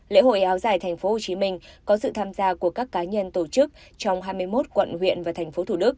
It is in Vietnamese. lễ hội áo dài tp hcm có sự tham gia của các cá nhân tổ chức trong hai mươi một quận huyện và tp th